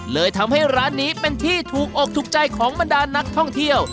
เลยทำให้ร้านนี้เป็นที่ถูกอกถูกใจของบรรดานักท่องเที่ยว